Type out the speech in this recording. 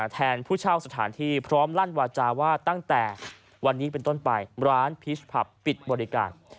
ผู้เช่าสถานที่พร้อมลั่นวาจาว่าตั้งแต่วันนี้เป็นต้นไปร้านพีชผับปิดบริการ